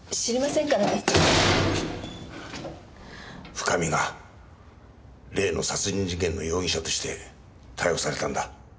深見が例の殺人事件の容疑者として逮捕されたんだ。